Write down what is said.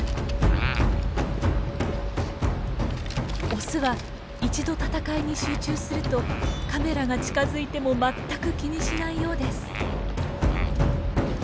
オスは一度戦いに集中するとカメラが近づいても全く気にしないようです。